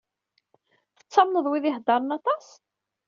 Tettamneḍ wid i iheddṛen aṭas?